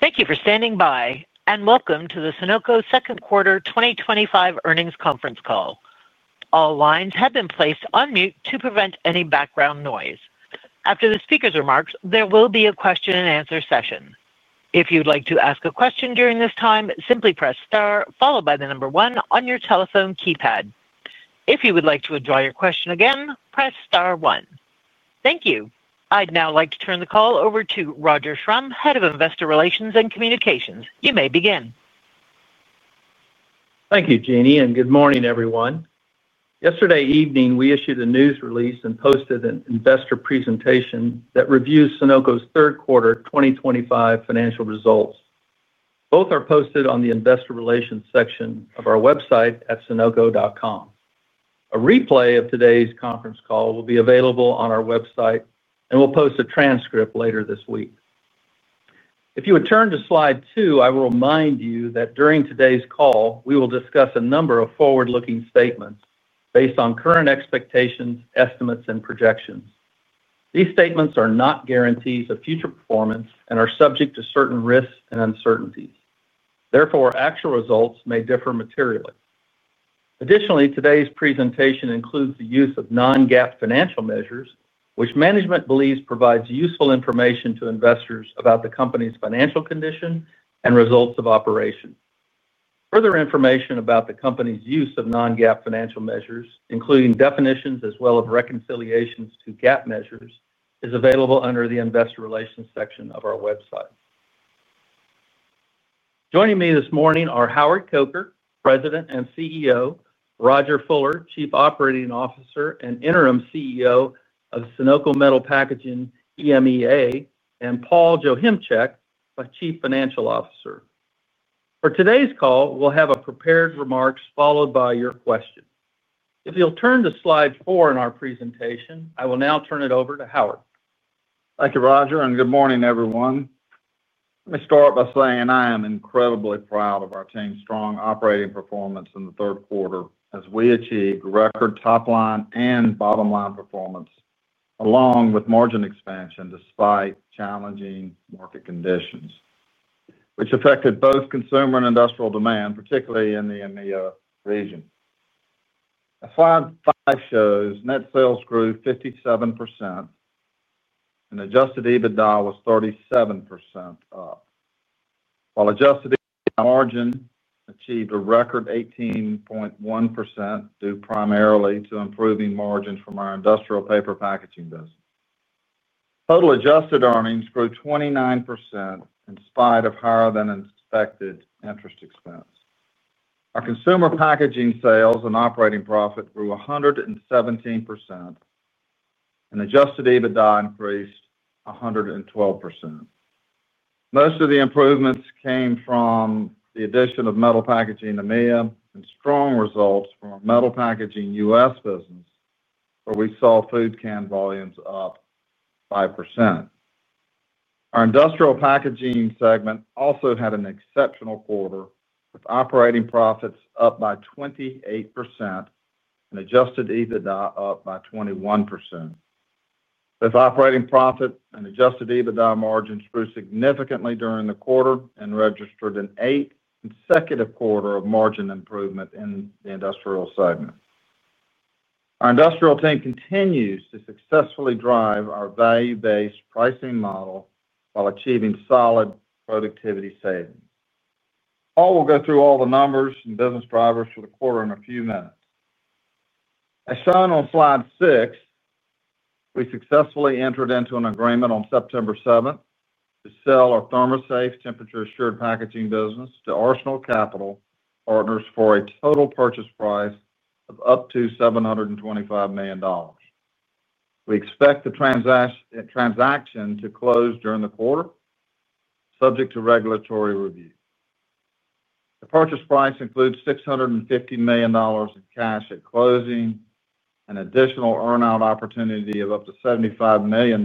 Thank you for standing by and welcome to the Sonoco Products Company second quarter 2025 earnings conference call. All lines have been placed on mute to prevent any background noise. After the speakers' remarks, there will be a question and answer session. If you'd like to ask a question during this time, simply press star followed by the number one on your telephone keypad. If you would like to withdraw your question, again press star one. Thank you. I'd now like to turn the call over to Roger Schrum, Head of Investor Relations and Communications. You may begin. Thank you, Jeannie, and good morning, everyone. Yesterday evening, we issued a news release and posted an investor presentation that reviews Sonoco's third quarter 2025 financial results. Both are posted on the investor relations section of our website at sonoco.com. A replay of today's conference call will be available on our website, and we'll post a transcript later this week. If you would turn to slide two, I will remind you that during today's call, we will discuss a number of forward-looking statements based on current expectations, estimates, and projections. These statements are not guarantees of future performance and are subject to certain risks and uncertainties. Therefore, actual results may differ materially. Additionally, today's presentation includes the use of non-GAAP financial measures, which management believes provides useful information to investors about the company's financial condition and results of operations. Further information about the company's use of non-GAAP financial measures, including definitions as well as reconciliations to GAAP measures, is available under the investor relations section of our website. Joining me this morning are Howard Coker, President and CEO; Roger Fuller, Chief Operating Officer and Interim CEO of Sonoco Metal Packaging, EMEA; and Paul Joachimczyk, Chief Financial Officer. For today's call, we'll have prepared remarks followed by your questions. If you'll turn to slide four in our presentation, I will now turn it over to Howard. Thank you, Roger, and good morning, everyone. Let me start by saying I am incredibly proud of our team's strong operating performance in the third quarter as we achieved record top-line and bottom-line performance, along with margin expansion despite challenging market conditions, which affected both consumer and industrial demand, particularly in the EMEA region. Slide five shows net sales grew 57% and adjusted EBITDA was 37% up, while adjusted EBITDA margin achieved a record 18.1%, due primarily to improving margins from our industrial paper packaging business. Total adjusted earnings grew 29% in spite of higher than expected interest expense. Our consumer packaging sales and operating profit grew 117%, and adjusted EBITDA increased 112%. Most of the improvements came from the addition of metal packaging EMEA and strong results from our metal packaging U.S. business, where we saw food can volumes up 5%. Our industrial packaging segment also had an exceptional quarter, with operating profits up by 28% and adjusted EBITDA up by 21%. Both operating profit and adjusted EBITDA margins grew significantly during the quarter and registered an eight-consecutive quarter of margin improvement in the industrial segment. Our industrial team continues to successfully drive our value-based pricing model while achieving solid productivity savings. Paul will go through all the numbers and business drivers for the quarter in a few minutes. As shown on slide six, we successfully entered into an agreement on September 7 to sell our Thermosafe temperature-assurance packaging business to Arsenal Capital Partners for a total purchase price of up to $725 million. We expect the transaction to close during the quarter, subject to regulatory review. The purchase price includes $650 million in cash at closing, an additional earnout opportunity of up to $75 million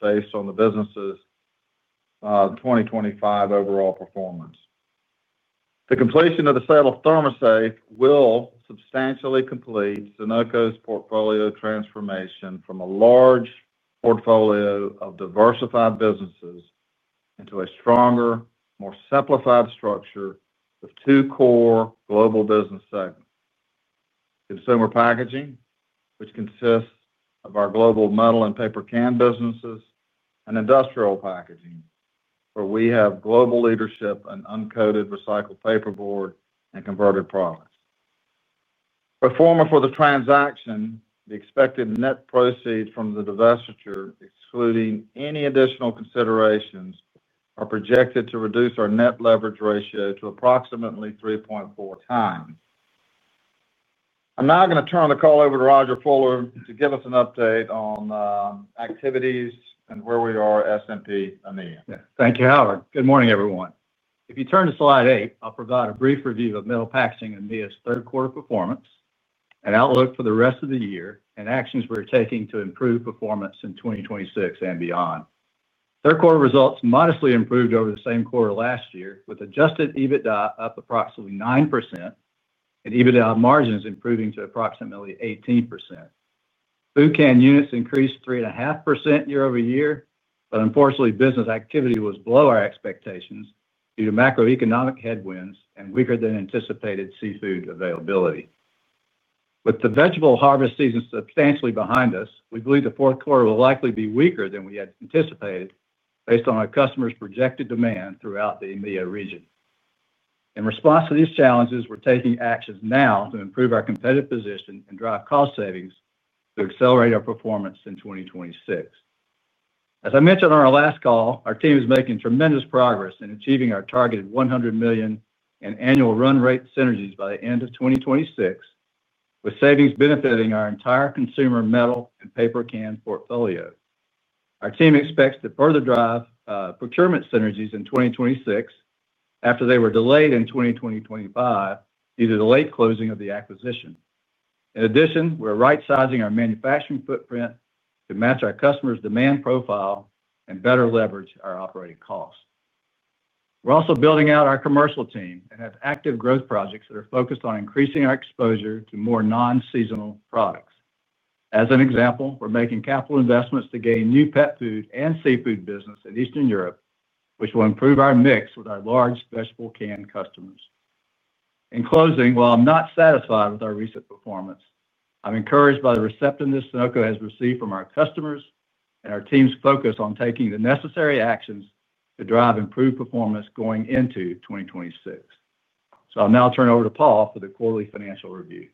based on the business's 2025 overall performance. The completion of the sale of Thermosafe will substantially complete Sonoco Products Company's portfolio transformation from a large portfolio of diversified businesses into a stronger, more simplified structure with two core global business segments: consumer packaging, which consists of our global metal and paper can businesses, and industrial packaging, where we have global leadership in uncoated recycled paperboard and converted products. Pro forma for the transaction, the expected net proceeds from the divestiture, excluding any additional considerations, are projected to reduce our net leverage ratio to approximately 3.4 times. I'm now going to turn the call over to Roger Fuller to give us an update on activities and where we are S&P EMEA. Yes, thank you, Howard. Good morning, everyone. If you turn to slide eight, I'll provide a brief review of metal packaging EMEA's third quarter performance, an outlook for the rest of the year, and actions we're taking to improve performance in 2026 and beyond. Third quarter results modestly improved over the same quarter last year, with adjusted EBITDA up approximately 9%, and EBITDA margins improving to approximately 18%. Food can units increased 3.5% year over year, but unfortunately, business activity was below our expectations due to macroeconomic headwinds and weaker than anticipated seafood availability. With the vegetable harvest season substantially behind us, we believe the fourth quarter will likely be weaker than we had anticipated based on our customers' projected demand throughout the EMEA region. In response to these challenges, we're taking actions now to improve our competitive position and drive cost savings to accelerate our performance in 2026. As I mentioned on our last call, our team is making tremendous progress in achieving our targeted $100 million in annual run-rate synergies by the end of 2026, with savings benefiting our entire consumer metal and paper can portfolio. Our team expects to further drive procurement synergies in 2026 after they were delayed in 2025 due to the late closing of the acquisition. In addition, we're right-sizing our manufacturing footprint to match our customers' demand profile and better leverage our operating costs. We're also building out our commercial team and have active growth projects that are focused on increasing our exposure to more non-seasonal products. As an example, we're making capital investments to gain new pet food and seafood business in Eastern Europe, which will improve our mix with our large vegetable can customers. In closing, while I'm not satisfied with our recent performance, I'm encouraged by the receptiveness Sonoco has received from our customers and our team's focus on taking the necessary actions to drive improved performance going into 2026. I'll now turn over to Paul for the quarterly financial review.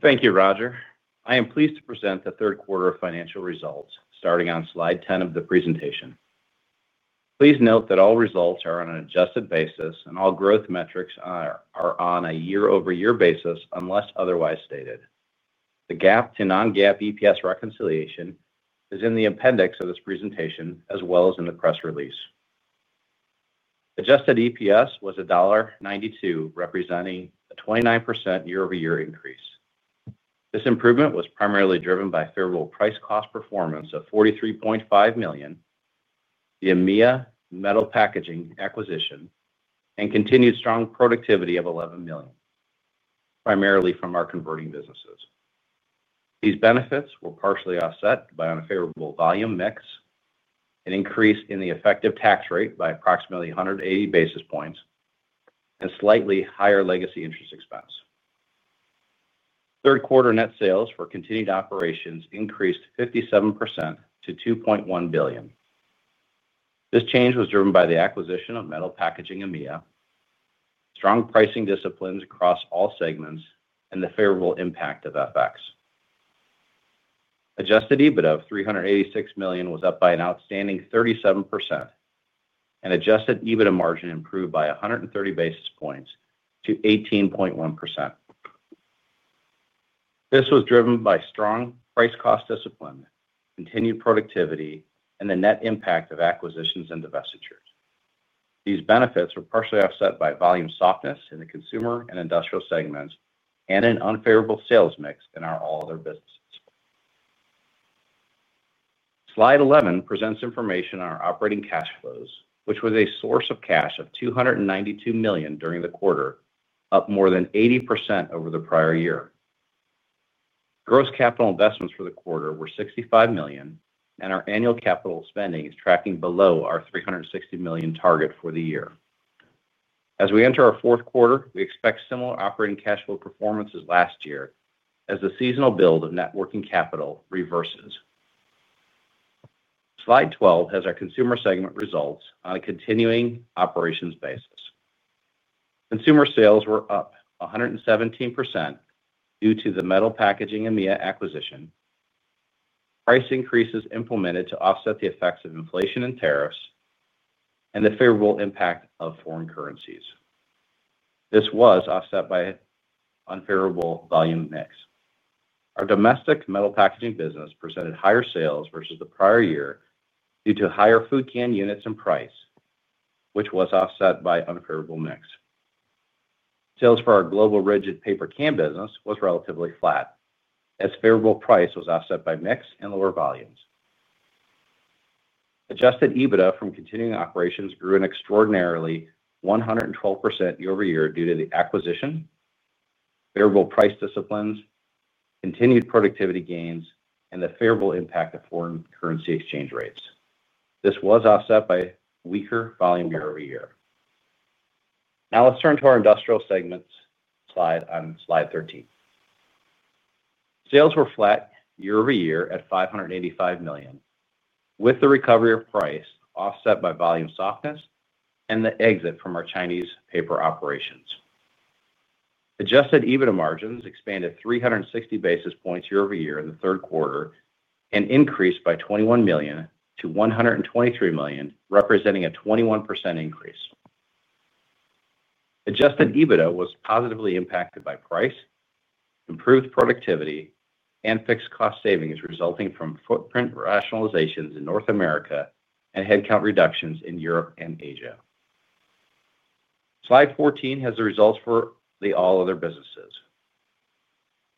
Thank you, Roger. I am pleased to present the third quarter financial results, starting on slide 10 of the presentation. Please note that all results are on an adjusted basis and all growth metrics are on a year-over-year basis unless otherwise stated. The GAAP to non-GAAP EPS reconciliation is in the appendix of this presentation as well as in the press release. Adjusted EPS was $1.92, representing a 29% year-over-year increase. This improvement was primarily driven by favorable price-cost performance of $43.5 million, the EMEA metal packaging acquisition, and continued strong productivity of $11 million, primarily from our converting businesses. These benefits were partially offset by a favorable volume mix, an increase in the effective tax rate by approximately 180 basis points, and slightly higher legacy interest expense. Third quarter net sales for continued operations increased 57% to $2.1 billion. This change was driven by the acquisition of metal packaging EMEA, strong pricing disciplines across all segments, and the favorable impact of FX. Adjusted EBITDA of $386 million was up by an outstanding 37%, and adjusted EBITDA margin improved by 130 basis points to 18.1%. This was driven by strong price-cost discipline, continued productivity, and the net impact of acquisitions and divestitures. These benefits were partially offset by volume softness in the consumer and industrial segments and an unfavorable sales mix in our all other businesses. Slide 11 presents information on our operating cash flows, which was a source of cash of $292 million during the quarter, up more than 80% over the prior year. Gross capital investments for the quarter were $65 million, and our annual capital spending is tracking below our $360 million target for the year. As we enter our fourth quarter, we expect similar operating cash flow performance as last year as the seasonal build of networking capital reverses. Slide 12 has our consumer segment results on a continuing operations basis. Consumer sales were up 117% due to the metal packaging EMEA acquisition, price increases implemented to offset the effects of inflation and tariffs, and the favorable impact of foreign currencies. This was offset by unfavorable volume mix. Our domestic metal packaging business presented higher sales versus the prior year due to higher food can units and price, which was offset by unfavorable mix. Sales for our global rigid paper can business were relatively flat as favorable price was offset by mix and lower volumes. Adjusted EBITDA from continuing operations grew an extraordinary 112% year-over-year due to the acquisition, favorable price disciplines, continued productivity gains, and the favorable impact of foreign currency exchange rates. This was offset by weaker volume year-over-year. Now let's turn to our industrial segments slide on slide 13. Sales were flat year-over-year at $585 million with the recovery of price offset by volume softness and the exit from our Chinese paper operations. Adjusted EBITDA margins expanded 360 basis points year-over-year in the third quarter and increased by $21 million to $123 million, representing a 21% increase. Adjusted EBITDA was positively impacted by price, improved productivity, and fixed cost savings resulting from footprint rationalizations in North America and headcount reductions in Europe and Asia. Slide 14 has the results for the all other businesses.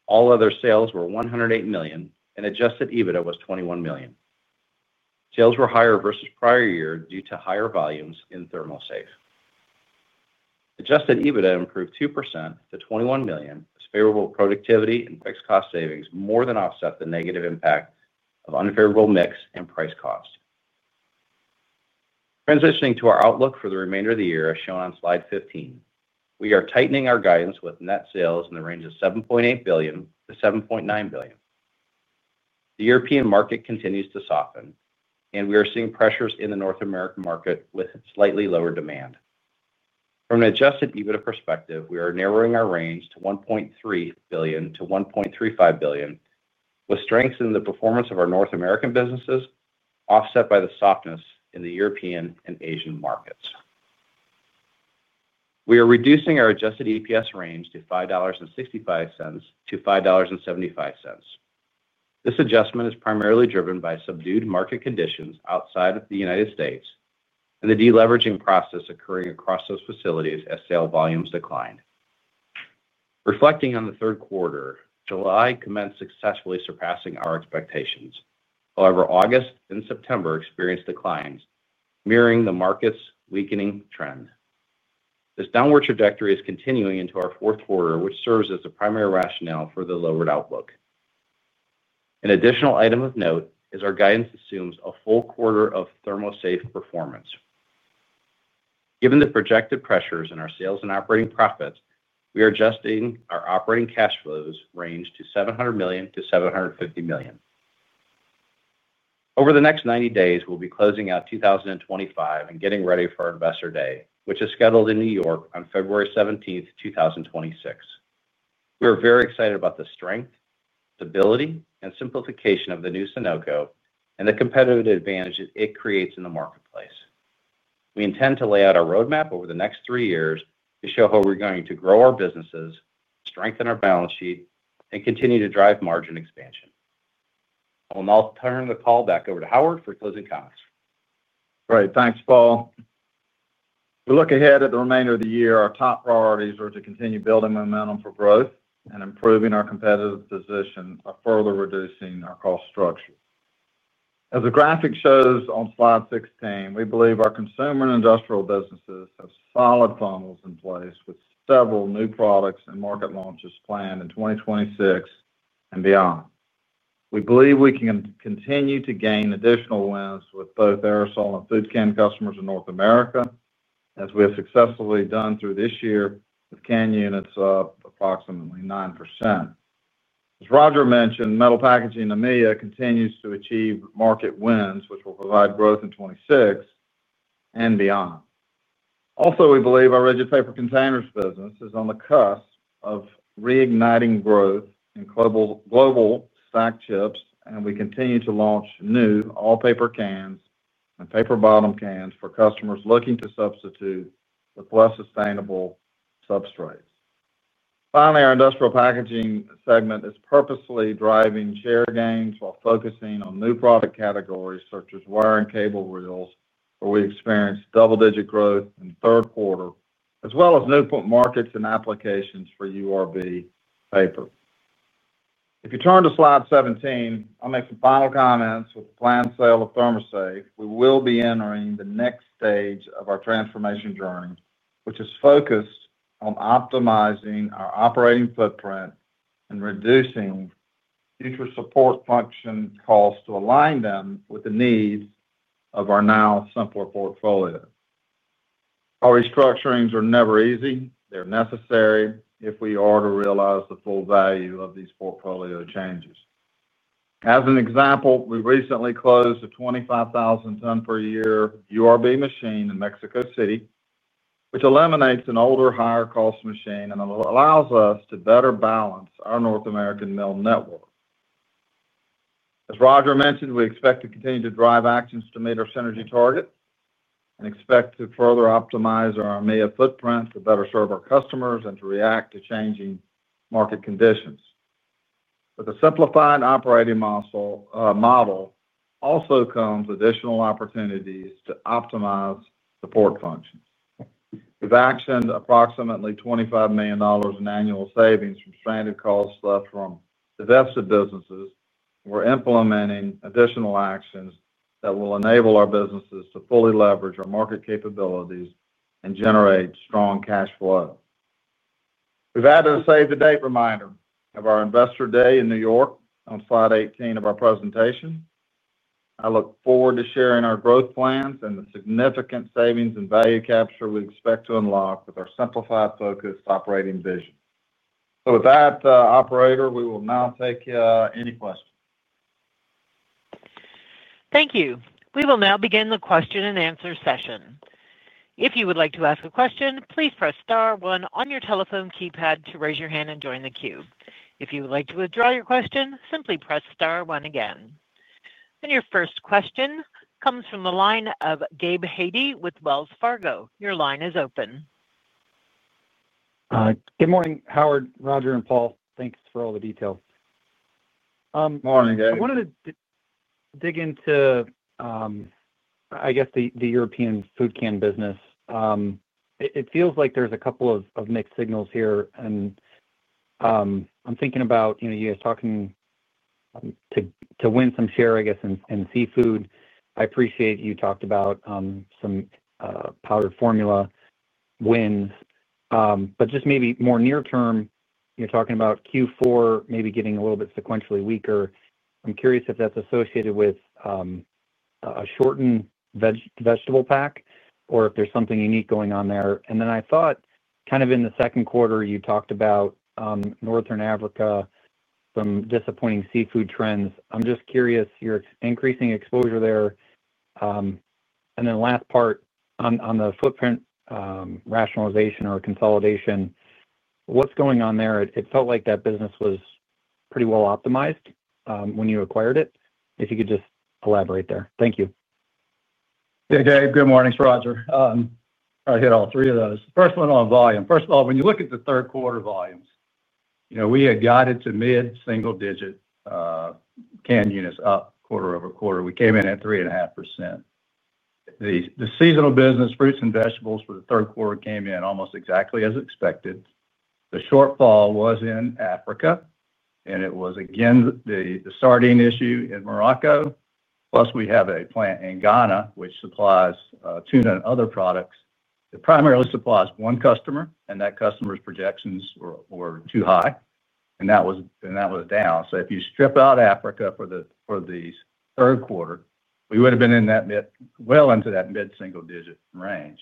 All other sales were $108 million and adjusted EBITDA was $21 million. Sales were higher versus prior year due to higher volumes in Thermosafe. Adjusted EBITDA improved 2% to $21 million as favorable productivity and fixed cost savings more than offset the negative impact of unfavorable mix and price cost. Transitioning to our outlook for the remainder of the year, as shown on slide 15, we are tightening our guidance with net sales in the range of $7.8 billion to $7.9 billion. The European market continues to soften and we are seeing pressures in the North American market with slightly lower demand. From an adjusted EBITDA perspective, we are narrowing our range to $1.3 billion to $1.35 billion, with strength in the performance of our North American businesses offset by the softness in the European and Asian markets. We are reducing our adjusted EPS range to $5.65 to $5.75. This adjustment is primarily driven by subdued market conditions outside of the U.S. and the deleveraging process occurring across those facilities as sale volumes declined. Reflecting on the third quarter, July commenced successfully surpassing our expectations. However, August and September experienced declines, mirroring the market's weakening trend. This downward trajectory is continuing into our fourth quarter, which serves as the primary rationale for the lowered outlook. An additional item of note is our guidance assumes a full quarter of Thermosafe performance. Given the projected pressures in our sales and operating profits, we are adjusting our operating cash flows range to $700 million to $750 million. Over the next 90 days, we'll be closing out 2025 and getting ready for our Investor Day, which is scheduled in New York on February 17, 2026. We are very excited about the strength, stability, and simplification of the new Sonoco Products Company and the competitive advantage it creates in the marketplace. We intend to lay out our roadmap over the next three years to show how we're going to grow our businesses, strengthen our balance sheet, and continue to drive margin expansion. I will now turn the call back over to Howard for closing comments. Great, thanks, Paul. We look ahead at the remainder of the year. Our top priorities are to continue building momentum for growth and improving our competitive position by further reducing our cost structure. As the graphic shows on slide 16, we believe our consumer and industrial businesses have solid funnels in place with several new products and market launches planned in 2026 and beyond. We believe we can continue to gain additional wins with both aerosol and food can customers in North America, as we have successfully done through this year with can units up approximately 9%. As Roger mentioned, metal packaging EMEA continues to achieve market wins, which will provide growth in 2026 and beyond. Also, we believe our rigid paper containers business is on the cusp of reigniting growth in global stacked chips, and we continue to launch new all-paper cans and paper bottom cans for customers looking to substitute with less sustainable substrates. Finally, our industrial packaging segment is purposely driving share gains while focusing on new product categories such as wire and cable reels, where we experienced double-digit growth in the third quarter, as well as new markets and applications for URB paper. If you turn to slide 17, I'll make some final comments with the planned sale of Thermosafe. We will be entering the next stage of our transformation journey, which is focused on optimizing our operating footprint and reducing future support function costs to align them with the needs of our now simpler portfolio. Our restructurings are never easy. They're necessary if we are to realize the full value of these portfolio changes. As an example, we recently closed a 25,000-ton per year URB machine in Mexico City, which eliminates an older, higher-cost machine and allows us to better balance our North American mill network. As Roger mentioned, we expect to continue to drive actions to meet our synergy target and expect to further optimize our EMEA footprint to better serve our customers and to react to changing market conditions. The simplified operating model also comes with additional opportunities to optimize support functions. We've actioned approximately $25 million in annual savings from stranded costs left from divested businesses. We're implementing additional actions that will enable our businesses to fully leverage our market capabilities and generate strong cash flow. We've added a save-the-date reminder of our Investor Day in New York on slide 18 of our presentation. I look forward to sharing our growth plans and the significant savings and value capture we expect to unlock with our simplified focused operating vision. With that, operator, we will now take any questions. Thank you. We will now begin the question and answer session. If you would like to ask a question, please press star one on your telephone keypad to raise your hand and join the queue. If you would like to withdraw your question, simply press star one again. Your first question comes from the line of Gabe Hodge with Wells Fargo. Your line is open. Good morning, Howard, Roger, and Paul. Thanks for all the details. Morning, Gabe. I wanted to dig into, I guess, the European food can business. It feels like there's a couple of mixed signals here. I'm thinking about you guys talking to win some share, I guess, in seafood. I appreciate you talked about some powdered formula wins. Maybe more near-term, you're talking about Q4 maybe getting a little bit sequentially weaker. I'm curious if that's associated with a shortened vegetable pack or if there's something unique going on there. I thought in the second quarter, you talked about Northern Africa, some disappointing seafood trends. I'm just curious, your increasing exposure there. The last part on the footprint rationalization or consolidation, what's going on there? It felt like that business was pretty well optimized when you acquired it. If you could just elaborate there. Thank you. Yeah, Gabe, good morning. Roger. I hit all three of those. First one on volume. First of all, when you look at the third quarter volumes, you know we had guided to mid single-digit can units up quarter over quarter. We came in at 3.5%. The seasonal business, fruits and vegetables, for the third quarter came in almost exactly as expected. The shortfall was in Africa, and it was again the sardine issue in Morocco. Plus, we have a plant in Ghana which supplies tuna and other products. It primarily supplies one customer, and that customer's projections were too high. That was down. If you strip out Africa for the third quarter, we would have been well into that mid single-digit range.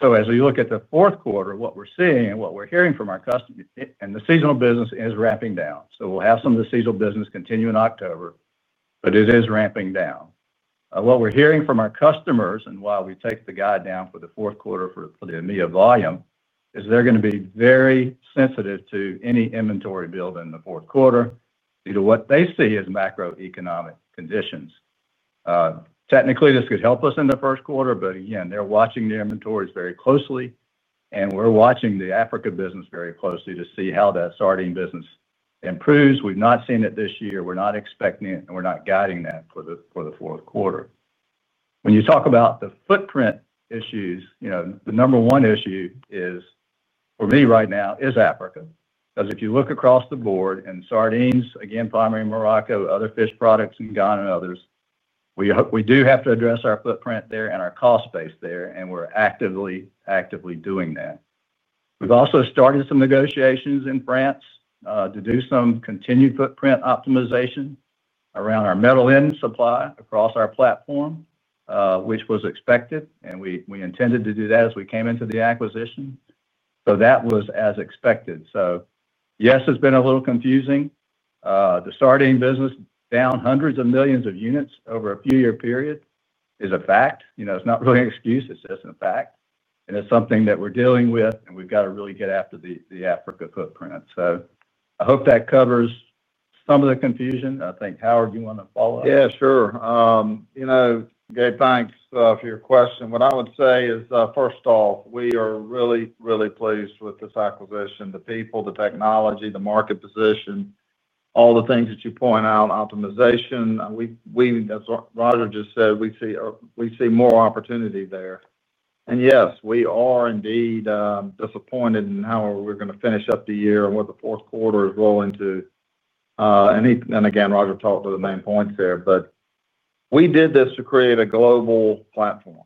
As we look at the fourth quarter, what we're seeing and what we're hearing from our customers, the seasonal business is ramping down. We will have some of the seasonal business continue in October, but it is ramping down. What we're hearing from our customers, and why we take the guide down for the fourth quarter for the EMEA volume, is they're going to be very sensitive to any inventory build in the fourth quarter due to what they see as macroeconomic conditions. Technically, this could help us in the first quarter, but again, they're watching the inventories very closely, and we're watching the Africa business very closely to see how that sardine business improves. We've not seen it this year. We're not expecting it, and we're not guiding that for the fourth quarter. When you talk about the footprint issues, the number one issue for me right now is Africa, because if you look across the board and sardines, again, primarily Morocco, other fish products in Ghana and others, we do have to address our footprint there and our cost base there, and we're actively doing that. We've also started some negotiations in France to do some continued footprint optimization around our metal in supply across our platform, which was expected, and we intended to do that as we came into the acquisition. That was as expected. Yes, it's been a little confusing. The sardine business is down hundreds of millions of units over a few-year period. That is a fact. It's not really an excuse. It's just a fact. It's something that we're dealing with, and we've got to really get after the Africa footprint. I hope that covers some of the confusion. I think, Howard, you want to follow up? Yeah, sure. You know, Gabe, thanks for your question. What I would say is, first off, we are really, really pleased with this acquisition, the people, the technology, the market position, all the things that you point out, optimization. As Roger just said, we see more opportunity there. Yes, we are indeed disappointed in how we're going to finish up the year and what the fourth quarter is rolling to. Roger talked to the main points there, but we did this to create a global platform.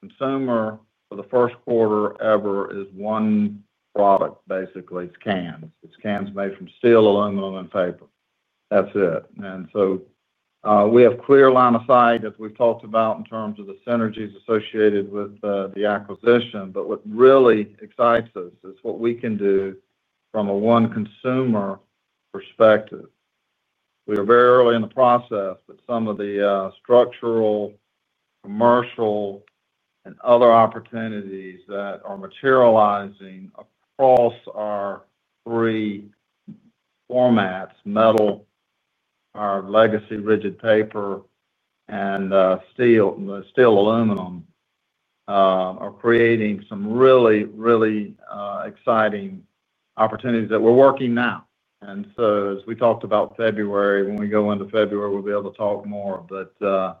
Consumer for the first quarter ever is one product, basically. It's cans. It's cans made from steel, aluminum, and paper. That's it. We have a clear line of sight, as we've talked about in terms of the synergies associated with the acquisition. What really excites us is what we can do from a one-consumer perspective. We are very early in the process, but some of the structural, commercial, and other opportunities that are materializing across our three formats, metal, our legacy rigid paper, and steel and the aluminum, are creating some really, really exciting opportunities that we're working now. As we talked about February, when we go into February, we'll be able to talk more about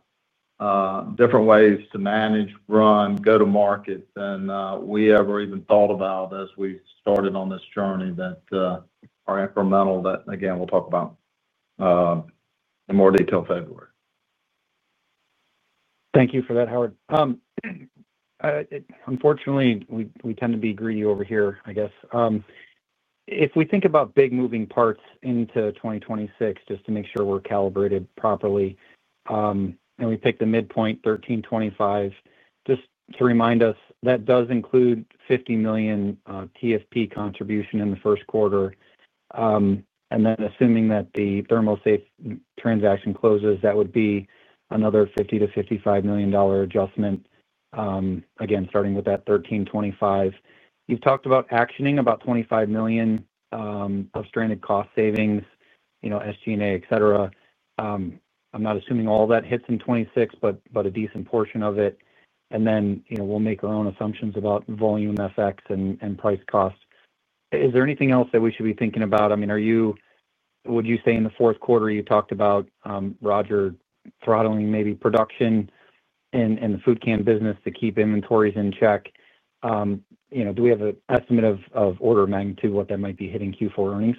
different ways to manage, run, go to market than we ever even thought about as we started on this journey that are incremental that, again, we'll talk about in more detail in February. Thank you for that, Howard. Unfortunately, we tend to be greedy over here, I guess. If we think about big moving parts into 2026, just to make sure we're calibrated properly, and we pick the midpoint, $1,325, just to remind us, that does include $50 million TFP contribution in the first quarter. Assuming that the Thermosafe transaction closes, that would be another $50 to $55 million adjustment, again, starting with that $1,325. You've talked about actioning about $25 million of stranded cost savings, you know, SG&A, etc. I'm not assuming all that hits in 2026, but a decent portion of it. You know we'll make our own assumptions about volume FX and price cost. Is there anything else that we should be thinking about? I mean, would you say in the fourth quarter, you talked about Roger throttling maybe production in the food can business to keep inventories in check. Do we have an estimate of order magnitude what that might be hitting Q4 earnings?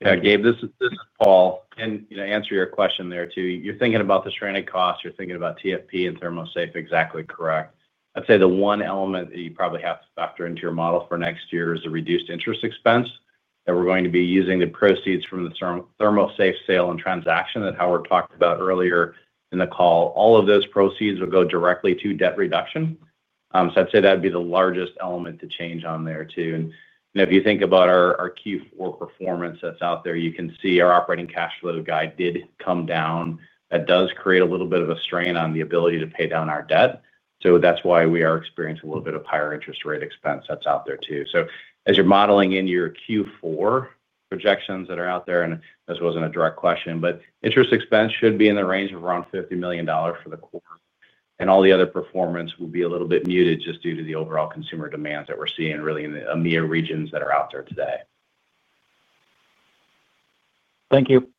Yeah, Gabe, this is Paul. You know, to answer your question there too, you're thinking about the stranded costs. You're thinking about TFP and Thermosafe, exactly correct. I'd say the one element that you probably have to factor into your model for next year is the reduced interest expense that we're going to be using the proceeds from the Thermosafe sale and transaction that Howard talked about earlier in the call. All of those proceeds will go directly to debt reduction. I'd say that'd be the largest element to change on there too. If you think about our Q4 performance that's out there, you can see our operating cash flow guide did come down. That does create a little bit of a strain on the ability to pay down our debt. That's why we are experiencing a little bit of higher interest rate expense that's out there too. As you're modeling in your Q4 projections that are out there, and this wasn't a direct question, interest expense should be in the range of around $50 million for the quarter. All the other performance will be a little bit muted just due to the overall consumer demands that we're seeing really in the EMEA regions that are out there today. Thank you.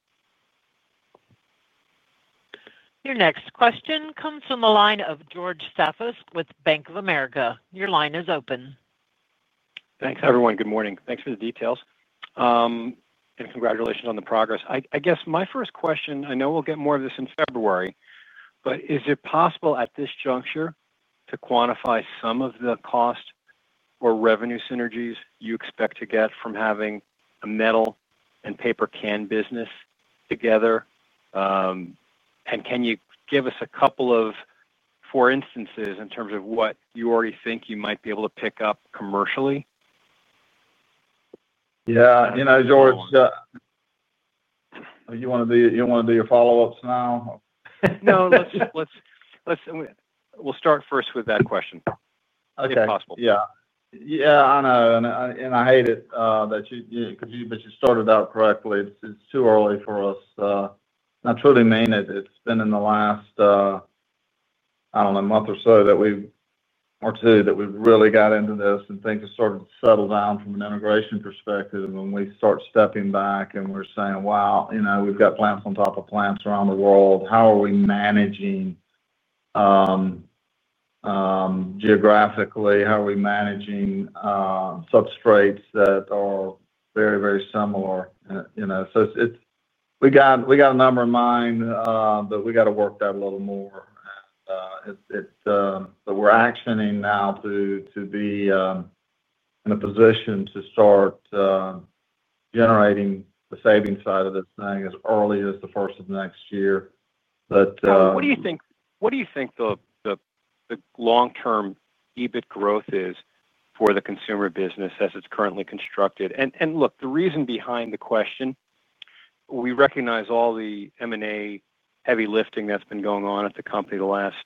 Your next question comes from the line of George Staphos with Bank of America. Your line is open. Thanks, everyone. Good morning. Thanks for the details, and congratulations on the progress. I guess my first question, I know we'll get more of this in February, but is it possible at this juncture to quantify some of the cost or revenue synergies you expect to get from having a metal and paper can business together? Can you give us a couple of for instances in terms of what you already think you might be able to pick up commercially? Yeah, you know, George, do you want to do your follow-ups now? No, let's start first with that question, if possible. Yeah, I know. I hate it that you, because you started out correctly. It's too early for us. I truly mean it. It's been in the last, I don't know, month or so that we, or two, that we've really got into this, and things have started to settle down from an integration perspective. When we start stepping back and we're saying, "Wow, you know we've got plants on top of plants around the world. How are we managing geographically? How are we managing substrates that are very, very similar?" We've got a number in mind, but we've got to work that a little more. It's that we're actioning now to be in a position to start generating the savings side of this thing as early as the first of next year. What do you think the long-term EBIT growth is for the consumer business as it's currently constructed? The reason behind the question, we recognize all the M&A heavy lifting that's been going on at the company the last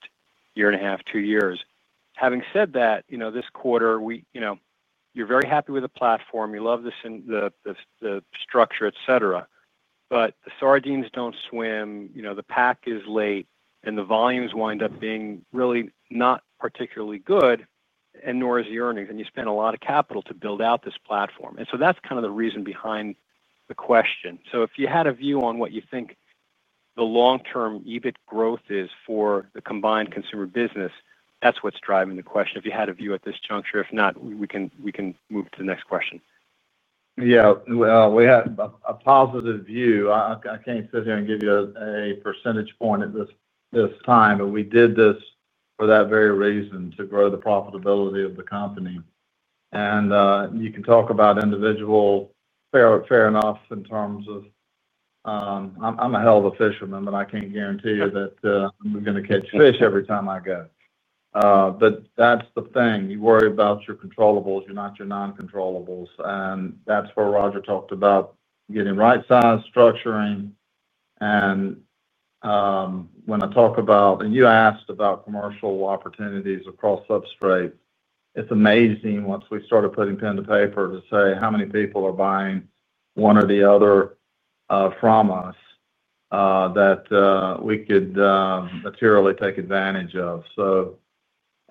year and a half, two years. Having said that, this quarter, you're very happy with the platform. You love this and the structure, etc. The sardines don't swim. The pack is late, and the volumes wind up being really not particularly good, nor is the earnings. You spend a lot of capital to build out this platform. That's kind of the reason behind the question. If you had a view on what you think the long-term EBIT growth is for the combined consumer business, that's what's driving the question. If you had a view at this juncture, if not, we can move to the next question. Yeah. We have a positive view. I can't sit here and give you a percentage point at this time, but we did this for that very reason, to grow the profitability of the company. You can talk about individual, fair enough, in terms of I'm a hell of a fisherman, but I can't guarantee you that I'm going to catch fish every time I go. That's the thing. You worry about your controllables, not your non-controllables. That's where Roger talked about getting right-sized structuring. When I talk about, and you asked about commercial opportunities across substrates, it's amazing once we started putting pen to paper to say how many people are buying one or the other from us that we could materially take advantage of.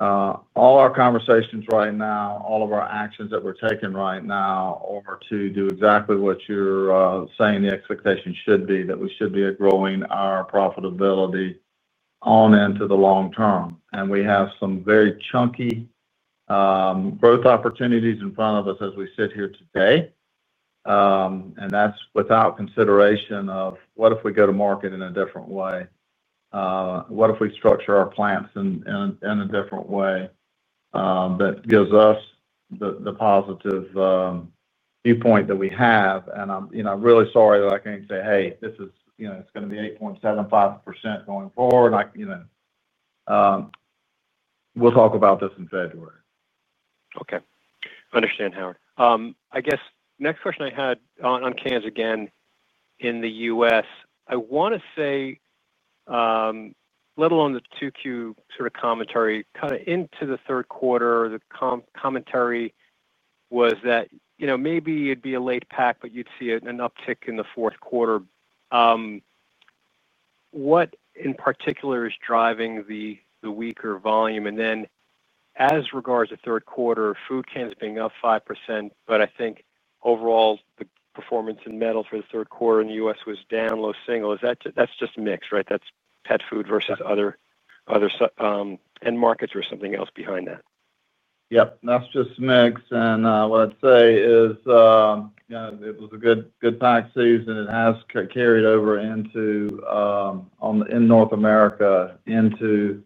All our conversations right now, all of our actions that we're taking right now are to do exactly what you're saying the expectation should be, that we should be growing our profitability on into the long term. We have some very chunky growth opportunities in front of us as we sit here today. That's without consideration of what if we go to market in a different way, what if we structure our plants in a different way that gives us the positive viewpoint that we have. I'm really sorry that I can't say, "Hey, this is, you know, it's going to be 8.75% going forward." I, you know, we'll talk about this in February. Okay. I understand, Howard. I guess the next question I had on cans again in the U.S., I want to say, let alone the 2Q sort of commentary kind of into the third quarter, the commentary was that, you know, maybe it'd be a late pack, but you'd see an uptick in the fourth quarter. What in particular is driving the weaker volume? As regards to third quarter, food cans being up 5%, but I think overall the performance in metal for the third quarter in the U.S. was down low single. Is that just a mix, right? That's pet food versus other end markets or something else behind that. Yep. That's just a mix. What I'd say is, you know, it was a good, good pack season. It has carried over into North America into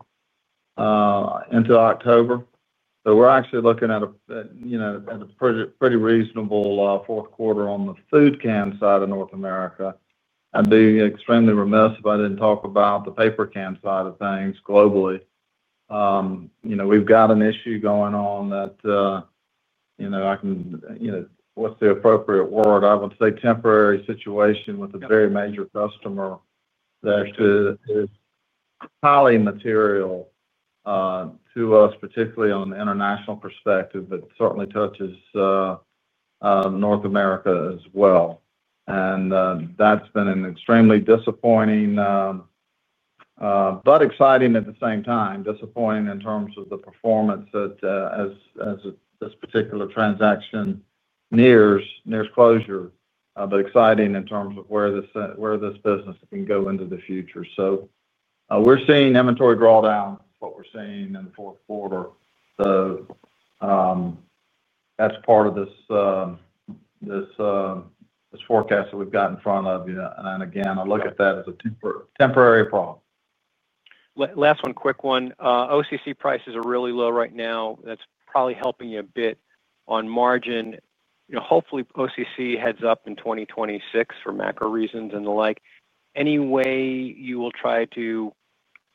October. We're actually looking at a, you know, at a pretty reasonable fourth quarter on the food can side of North America. I'd be extremely remiss if I didn't talk about the paper can side of things globally. We've got an issue going on that, you know, I can, you know, what's the appropriate word? I would say temporary situation with a very major customer that actually is highly material to us, particularly on the international perspective, but certainly touches North America as well. That's been an extremely disappointing, but exciting at the same time, disappointing in terms of the performance as this particular transaction nears closure, but exciting in terms of where this business can go into the future. We're seeing inventory drawdown. That's what we're seeing in the fourth quarter. That's part of this forecast that we've got in front of you. I look at that as a temporary problem. Last one, quick one. OCC prices are really low right now. That's probably helping you a bit on margin. Hopefully, OCC heads up in 2026 for macro reasons and the like. Any way you will try to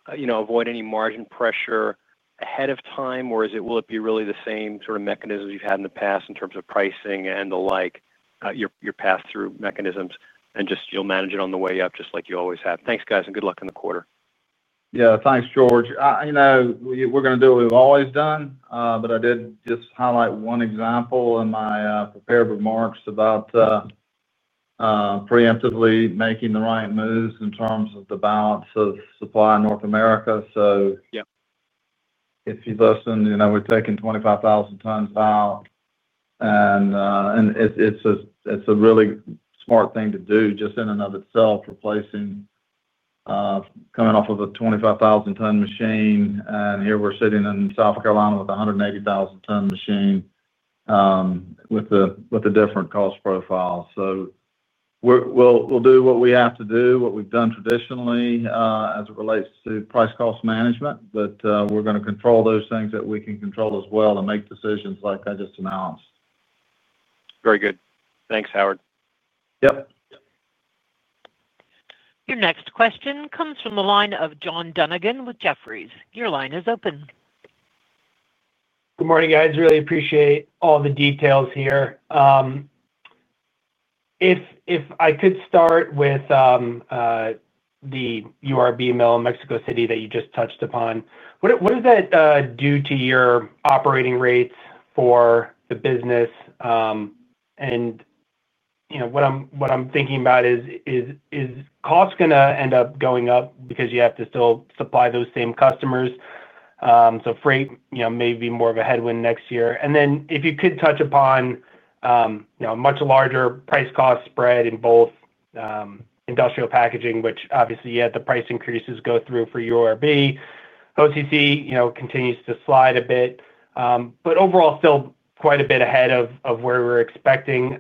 avoid any margin pressure ahead of time, or will it be really the same sort of mechanisms you've had in the past in terms of pricing and the like, your pass-through mechanisms, and just you'll manage it on the way up just like you always have? Thanks, guys, and good luck in the quarter. Yeah, thanks, George. We're going to do what we've always done. I did just highlight one example in my prepared remarks about preemptively making the right moves in terms of the balance of supply in North America. If you listen, we're taking 25,000 tons out. It's a really smart thing to do just in and of itself, replacing, coming off of a 25,000-ton machine. Here we're sitting in South Carolina with a 180,000-ton machine with a different cost profile. We'll do what we have to do, what we've done traditionally as it relates to price cost management. We're going to control those things that we can control as well and make decisions like I just announced. Very good. Thanks, Howard. Yep. Your next question comes from the line of John Dunnigan with Jefferies. Your line is open. Good morning, guys. Really appreciate all the details here. If I could start with the URB mill in Mexico City that you just touched upon, what does that do to your operating rates for the business? What I'm thinking about is, is cost going to end up going up because you have to still supply those same customers? Freight may be more of a headwind next year. If you could touch upon a much larger price cost spread in both industrial packaging, which obviously you had the price increases go through for URB. OCC continues to slide a bit, but overall still quite a bit ahead of where we're expecting.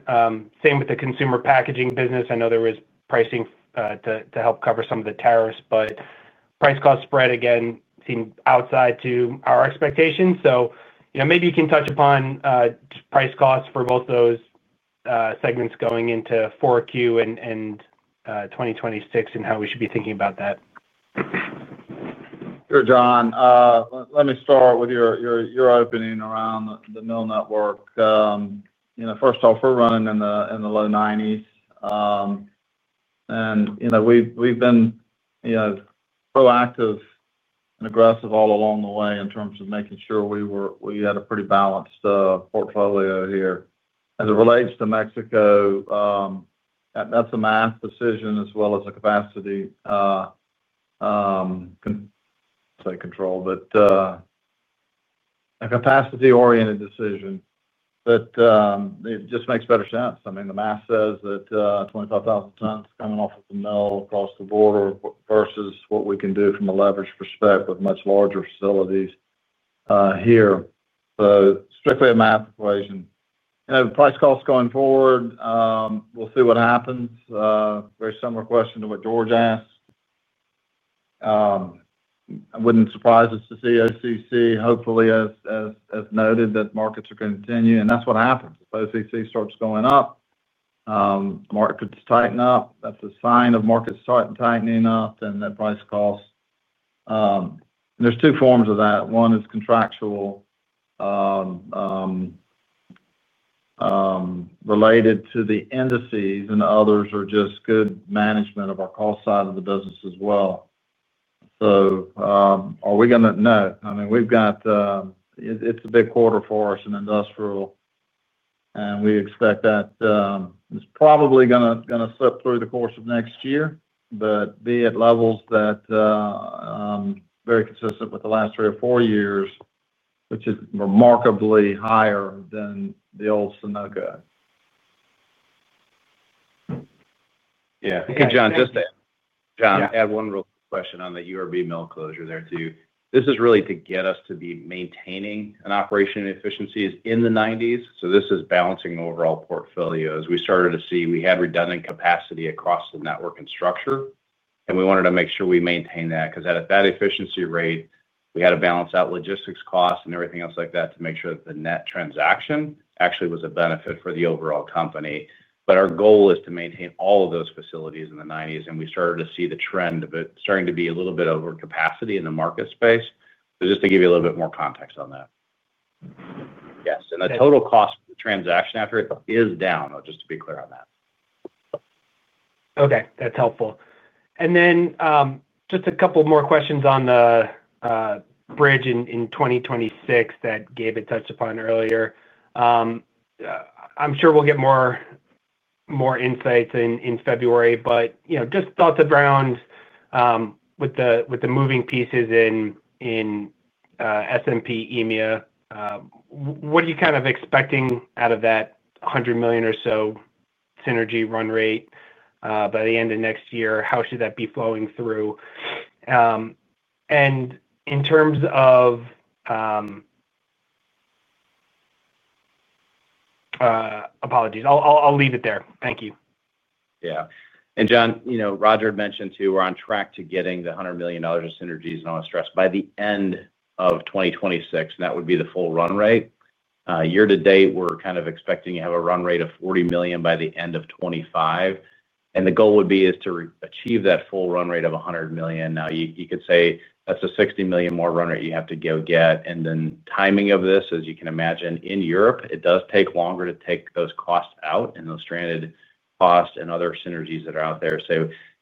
Same with the consumer packaging business. I know there was pricing to help cover some of the tariffs, but price cost spread again seemed outside to our expectations. Maybe you can touch upon price costs for both those segments going into 4Q and 2026 and how we should be thinking about that. Sure, John. Let me start with your opening around the mill network. First off, we're running in the low 90s. We've been proactive and aggressive all along the way in terms of making sure we had a pretty balanced portfolio here. As it relates to Mexico, that's a mass decision as well as a capacity, say control, but a capacity-oriented decision. It just makes better sense. The math says that 25,000 tons coming off of the mill across the border versus what we can do from a leverage perspective with much larger facilities here. Strictly a math equation. The price costs going forward, we'll see what happens. Very similar question to what George asked. It wouldn't surprise us to see OCC, hopefully, as noted, that markets are going to continue. That's what happens. If OCC starts going up, the market could tighten up. That's a sign of markets starting tightening up and that price costs. There's two forms of that. One is contractual related to the indices, and others are just good management of our cost side of the business as well. Are we going to, no. We've got, it's a big quarter for us in industrial, and we expect that it's probably going to slip through the course of next year, but be at levels that are very consistent with the last three or four years, which is remarkably higher than the old Sonoco. Yeah. Okay, John, just to add one real quick question on the URB mill closure there too. This is really to get us to be maintaining an operation efficiency in the 90s. This is balancing overall portfolios. We started to see we had redundant capacity across the network and structure, and we wanted to make sure we maintain that because at that efficiency rate, we had to balance out logistics costs and everything else like that to make sure that the net transaction actually was a benefit for the overall company. Our goal is to maintain all of those facilities in the 90s, and we started to see the trend of it starting to be a little bit over capacity in the market space. Just to give you a little bit more context on that. Yes. The total cost of the transaction after it is down, though, just to be clear on that. Okay. That's helpful. Just a couple more questions on the bridge in 2026 that Gabe had touched upon earlier. I'm sure we'll get more insights in February, but just thoughts around with the moving pieces in S&P EMEA, what are you kind of expecting out of that $100 million or so synergy run rate by the end of next year? How should that be flowing through? In terms of apologies, I'll leave it there. Thank you. Yeah. John, you know Roger had mentioned too, we're on track to getting the $100 million of synergies and all that stress by the end of 2026, and that would be the full run rate. Year to date, we're kind of expecting to have a run rate of $40 million by the end of 2025. The goal would be to achieve that full run rate of $100 million. Now, you could say that's a $60 million more run rate you have to go get. The timing of this, as you can imagine, in Europe, it does take longer to take those costs out and those stranded costs and other synergies that are out there.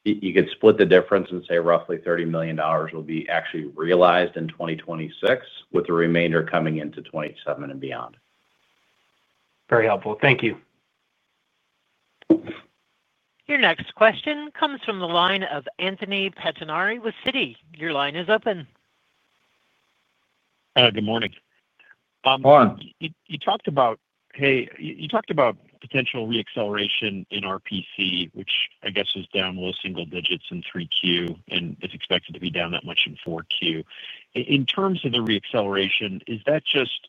You could split the difference and say roughly $30 million will be actually realized in 2026, with the remainder coming into 2027 and beyond. Very helpful. Thank you. Your next question comes from the line of Anthony Petinari with Citi. Your line is open. Good morning. Good morning. You talked about potential reacceleration in RPC, which I guess is down low single digits in Q3 and is expected to be down that much in Q4. In terms of the reacceleration, is that just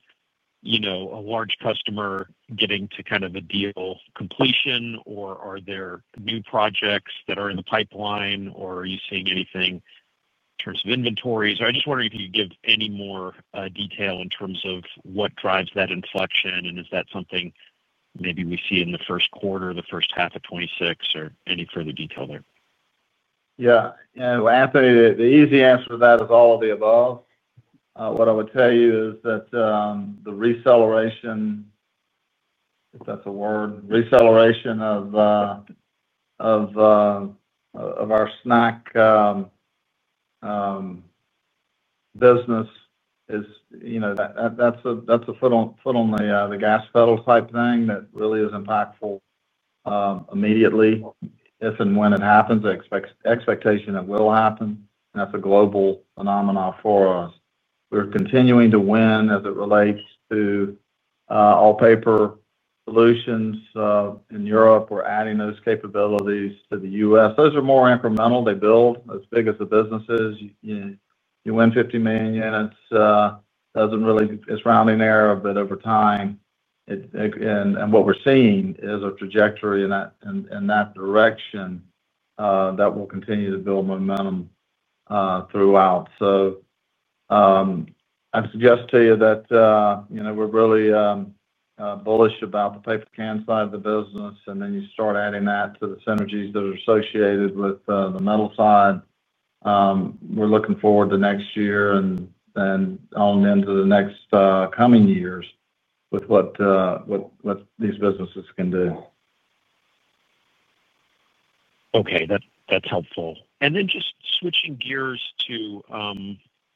a large customer getting to kind of a deal completion, or are there new projects that are in the pipeline, or are you seeing anything in terms of inventories? I'm just wondering if you could give any more detail in terms of what drives that inflection, and is that something maybe we see in the first quarter, the first half of 2026, or any further detail there? Yeah. Anthony, the easy answer to that is all of the above. What I would tell you is that the reacceleration, if that's a word, reacceleration of our SNAC business is a foot on the gas pedal type thing that really is impactful immediately if and when it happens. The expectation that it will happen, and that's a global phenomenon for us. We're continuing to win as it relates to all-paper solutions in Europe. We're adding those capabilities to the U.S. Those are more incremental. They build as big as the businesses. You win 50 million units. It doesn't really, it's rounding error, but over time, and what we're seeing is a trajectory in that direction that will continue to build momentum throughout. I'd suggest to you that we're really bullish about the paper can side of the business, and then you start adding that to the synergies that are associated with the metal side. We're looking forward to next year and then on into the next coming years with what these businesses can do. Okay. That's helpful.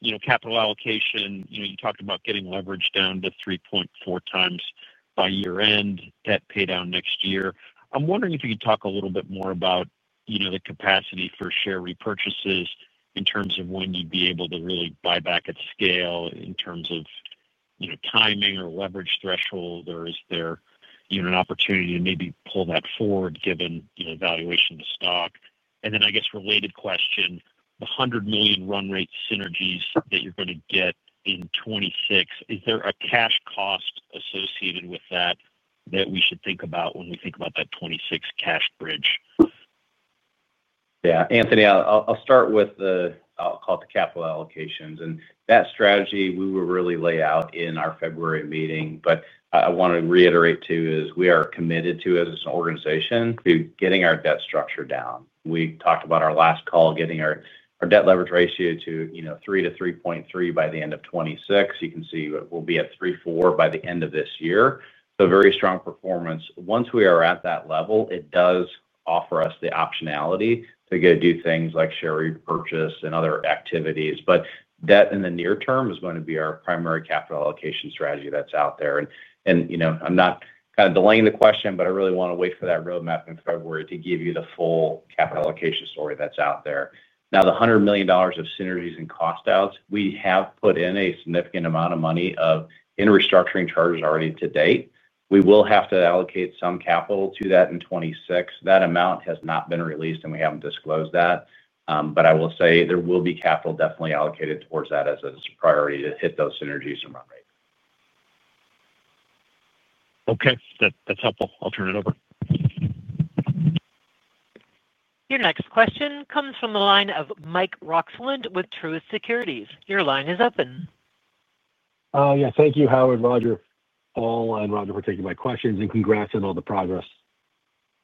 Just switching gears to capital allocation, you talked about getting leverage down to 3.4 times by year-end, that pay down next year. I'm wondering if you could talk a little bit more about the capacity for share repurchases in terms of when you'd be able to really buy back at scale in terms of timing or leverage threshold, or is there an opportunity to maybe pull that forward given valuation of the stock? I guess related question, the $100 million run-rate synergies that you're going to get in 2026, is there a cash cost associated with that that we should think about when we think about that 2026 cash bridge? Yeah. Anthony, I'll start with the, I'll call it the capital allocation. That strategy we will really lay out in our February meeting. What I want to reiterate too is we are committed to, as an organization, getting our debt structure down. We talked about on our last call getting our debt leverage ratio to, you know, 3 to 3.3 by the end of 2026. You can see we'll be at 3.4 by the end of this year. Very strong performance. Once we are at that level, it does offer us the optionality to go do things like share repurchase and other activities. Debt in the near term is going to be our primary capital allocation strategy that's out there. I'm not kind of delaying the question, but I really want to wait for that roadmap in February to give you the full capital allocation story that's out there. Now, the $100 million of synergies and cost outs, we have put in a significant amount of money in restructuring charges already to date. We will have to allocate some capital to that in 2026. That amount has not been released and we haven't disclosed that. I will say there will be capital definitely allocated towards that as a priority to hit those synergies and run rates. Okay, that's helpful. I'll turn it over. Your next question comes from the line of Michael Roxland with Truist Securities. Your line is open. Thank you, Howard, Roger, Paul, and Roger, for taking my questions, and congrats on all the progress.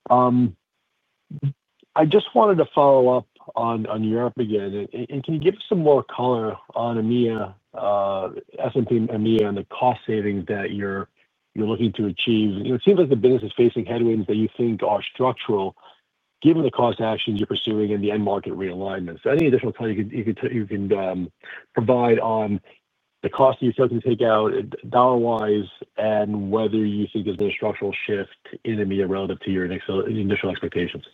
I just wanted to follow up on Europe again. Can you give us some more color on EMEA, S&P EMEA, and the cost savings that you're looking to achieve? It seems like the business is facing headwinds that you think are structural, given the cost actions you're pursuing and the end market realignment. Any additional time you can provide on the cost that you're taking to take out dollar-wise and whether you think there's been a structural shift in EMEA relative to your initial expectations.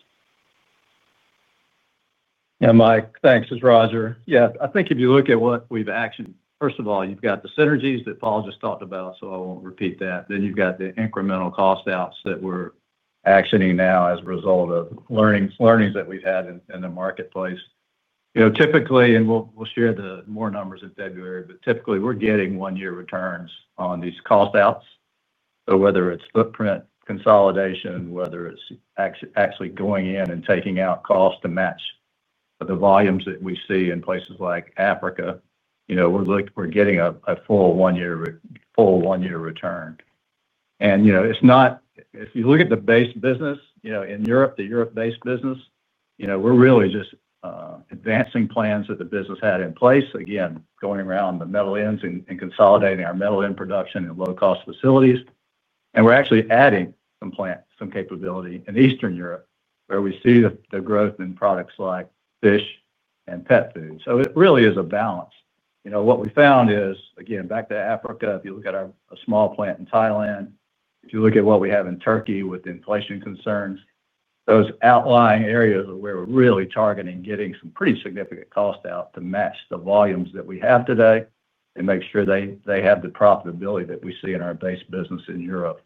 Yeah, Mike. Thanks. This is Roger. If you look at what we've actioned, first of all, you've got the synergies that Paul just talked about, so I won't repeat that. Then you've got the incremental cost outs that we're actioning now as a result of learnings that we've had in the marketplace. Typically, and we'll share more numbers in February, but typically, we're getting one-year returns on these cost outs. Whether it's footprint consolidation or actually going in and taking out costs to match the volumes that we see in places like Africa, we're getting a full one-year return. If you look at the base business in Europe, the Europe-based business, we're really just advancing plans that the business had in place. Going around the metal ends and consolidating our metal end production in low-cost facilities, we're actually adding some plants, some capability in Eastern Europe where we see the growth in products like fish and pet food. It really is a balance. What we found is, back to Africa, if you look at a small plant in Thailand, if you look at what we have in Turkey with inflation concerns, those outlying areas are where we're really targeting getting some pretty significant cost out to match the volumes that we have today and make sure they have the profitability that we see in our base business in Europe.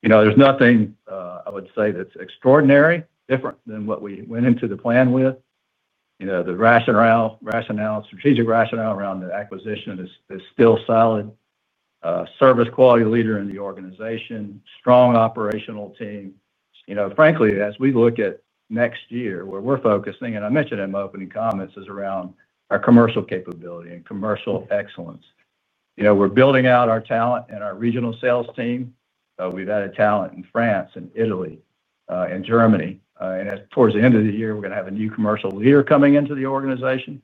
There's nothing I would say that's extraordinarily different than what we went into the plan with. The rationale, strategic rationale around the acquisition is still solid. Service quality leader in the organization, strong operational team. Frankly, as we look at next year where we're focusing, and I mentioned in my opening comments, is around our commercial capability and commercial excellence. We're building out our talent and our regional sales team. We've added talent in France and Italy and Germany. Towards the end of the year, we're going to have a new commercial leader coming into the organization.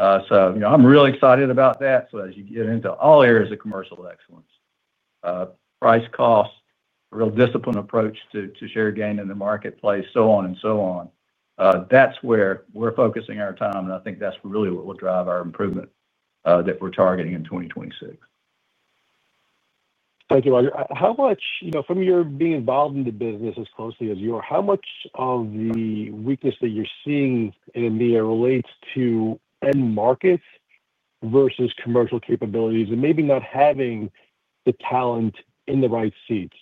I'm really excited about that. As you get into all areas of commercial excellence, price cost, real discipline approach to share gain in the marketplace, so on and so on, that's where we're focusing our time. I think that's really what will drive our improvement that we're targeting in 2026. Thank you, Roger. How much, from your being involved in the business as closely as you are, how much of the weakness that you're seeing in EMEA relates to end markets versus commercial capabilities and maybe not having the talent in the right seats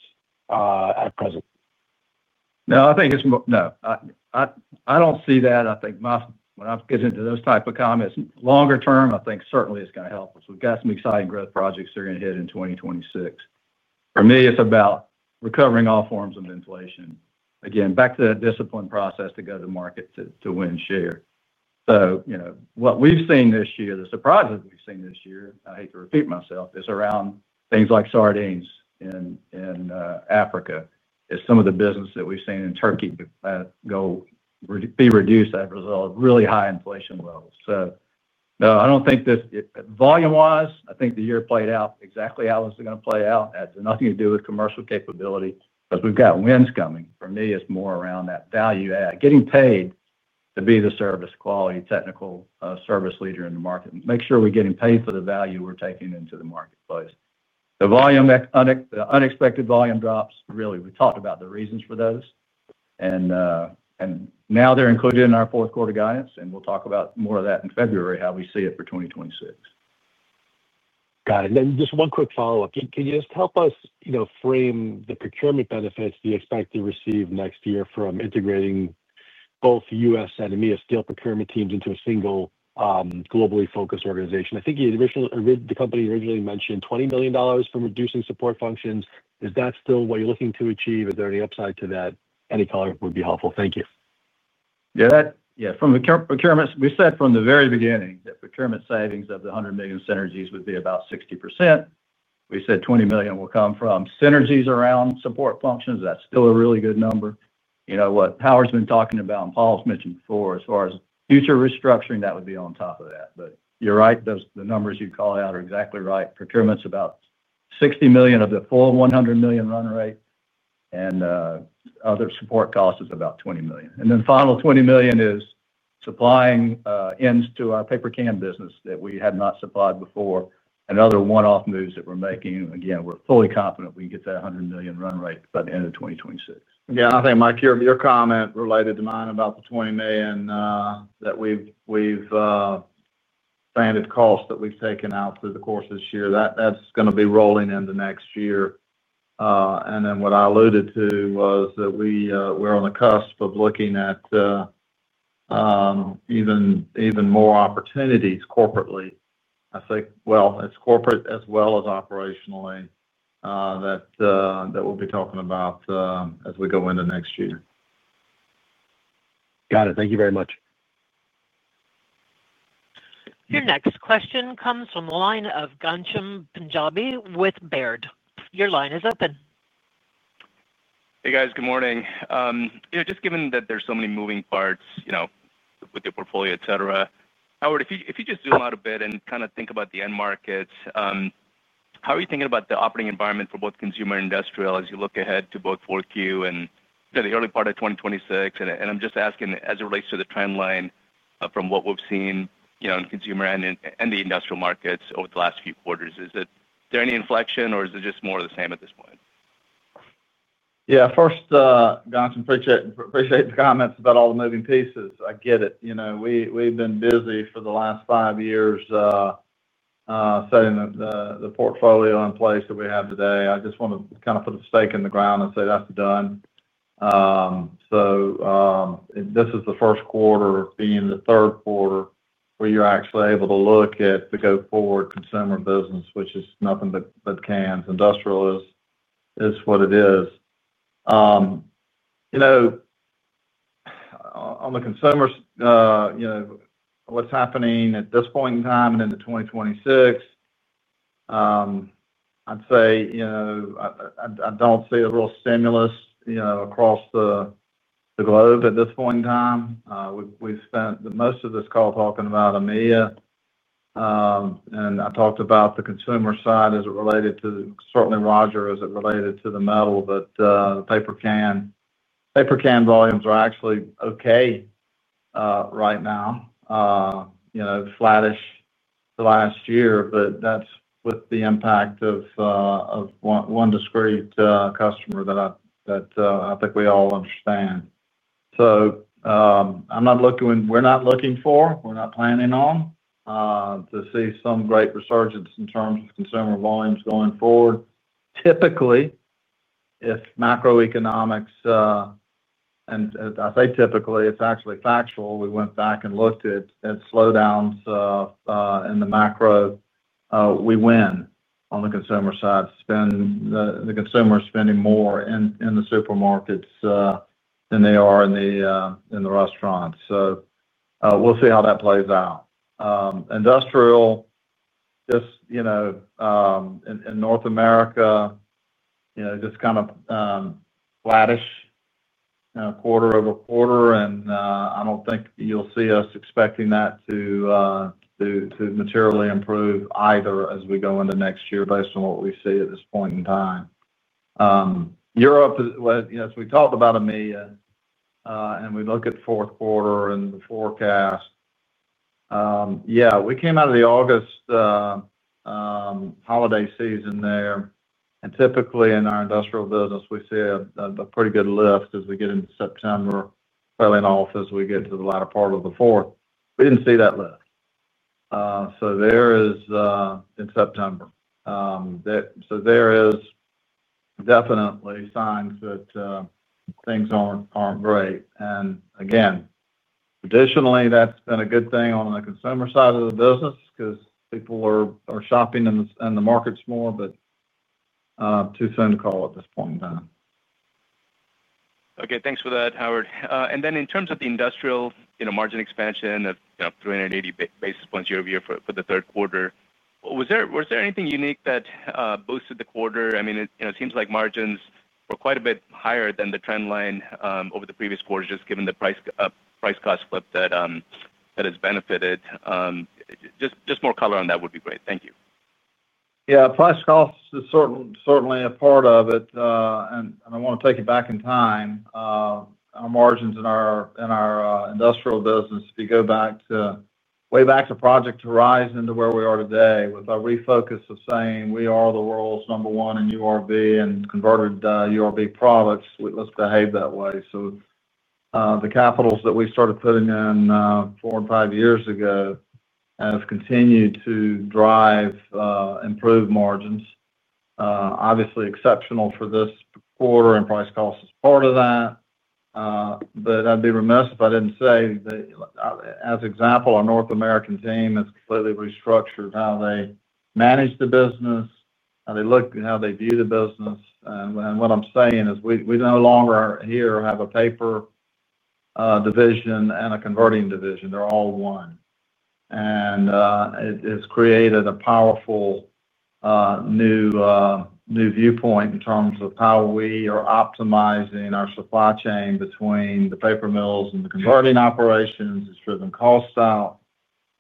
at present? No, I don't see that. I think when I get into those types of comments, longer term, I think certainly it's going to help us. We've got some exciting growth projects that are going to hit in 2026. For me, it's about recovering all forms of inflation. Again, back to that discipline process to go to the market to win share. What we've seen this year, the surprises we've seen this year, I hate to repeat myself, is around things like sardines in Africa, some of the business that we've seen in Turkey that will be reduced as a result of really high inflation levels. No, I don't think this volume-wise, I think the year played out exactly how it was going to play out. It had nothing to do with commercial capability because we've got wins coming. For me, it's more around that value add, getting paid to be the service quality, technical service leader in the market. Make sure we're getting paid for the value we're taking into the marketplace. The unexpected volume drops, really, we talked about the reasons for those. Now they're included in our fourth quarter guidance. We'll talk about more of that in February, how we see it for 2026. Got it. Just one quick follow-up. Can you help us frame the procurement benefits that you expect to receive next year from integrating both U.S. and EMEA steel procurement teams into a single globally focused organization? I think the company originally mentioned $20 million from reducing support functions. Is that still what you're looking to achieve? Is there any upside to that? Any color would be helpful. Thank you. Yeah, from the procurement, we said from the very beginning that procurement savings of the $100 million synergies would be about 60%. We said $20 million will come from synergies around support functions. That's still a really good number. You know what Howard's been talking about and Paul's mentioned before as far as future restructuring, that would be on top of that. You're right. Those numbers you call out are exactly right. Procurement's about $60 million of the full $100 million run rate, and other support costs is about $20 million. The final $20 million is supplying ends to our paper can business that we had not supplied before, and other one-off moves that we're making. Again, we're fully confident we can get that $100 million run rate by the end of 2026. I think, Mike, your comment related to mine about the $20 million that we've planned at cost that we've taken out through the course of this year, that's going to be rolling into next year. What I alluded to was that we're on the cusp of looking at even more opportunities corporately. I think it's corporate as well as operationally that we'll be talking about as we go into next year. Got it. Thank you very much. Your next question comes from the line of Ghansham Panjabi with Baird. Your line is open. Hey, guys. Good morning. Given that there's so many moving parts with your portfolio, etc., Howard, if you just zoom out a bit and kind of think about the end markets, how are you thinking about the operating environment for both consumer and industrial as you look ahead to both 4Q and the early part of 2026? I'm just asking as it relates to the trend line from what we've seen in consumer and the industrial markets over the last few quarters. Is there any inflection or is it just more of the same at this point? Yeah, first, Gancham, I appreciate the comments about all the moving pieces. I get it. We've been busy for the last five years setting the portfolio in place that we have today. I just want to kind of put a stake in the ground and say that's done. This is the first quarter, being the third quarter, where you're actually able to look at the go-forward consumer business, which is nothing but cans. Industrial is what it is. On the consumer, what's happening at this point in time and into 2026, I'd say I don't see a real stimulus across the globe at this point in time. We've spent most of this call talking about EMEA. I talked about the consumer side as it related to, certainly, Roger, as it related to the metal, but the paper can volumes are actually okay right now. Flattish to last year, but that's with the impact of one discrete customer that I think we all understand. We're not looking for, we're not planning on to see some great resurgence in terms of consumer volumes going forward. Typically, if macroeconomics, and I say typically, it's actually factual, we went back and looked at slowdowns in the macro, we win on the consumer side. The consumer is spending more in the supermarkets than they are in the restaurants. We'll see how that plays out. Industrial, in North America, just kind of flattish quarter over quarter. I don't think you'll see us expecting that to materially improve either as we go into next year based on what we see at this point in time. Europe, as we talked about EMEA, and we look at fourth quarter and the forecast, we came out of the August holiday season there. Typically, in our industrial business, we see a pretty good lift as we get into September, fairly enough, as we get to the latter part of the fourth. We didn't see that lift in September. There are definitely signs that things aren't great. Traditionally, that's been a good thing on the consumer side of the business because people are shopping in the markets more, but too soon to call it at this point in time. Okay. Thanks for that, Howard. In terms of the industrial, you know, margin expansion of 380 basis points year over year for the third quarter, was there anything unique that boosted the quarter? I mean, it seems like margins were quite a bit higher than the trend line over the previous quarter, just given the price cost flip that has benefited. Just more color on that would be great. Thank you. Yeah. Price cost is certainly a part of it. I want to take you back in time. Our margins in our industrial business, if you go back to way back to Project Horizon to where we are today with our refocus of saying we are the world's number one in URV and converted URV products, let's behave that way. The capitals that we started putting in four and five years ago have continued to drive improved margins. Obviously, exceptional for this quarter and price cost is part of that. I'd be remiss if I didn't say that, as an example, our North American team has completely restructured how they manage the business, how they look, how they view the business. What I'm saying is we no longer here have a paper division and a converting division. They're all one. It has created a powerful new viewpoint in terms of how we are optimizing our supply chain between the paper mills and the converting operations. It's driven cost out.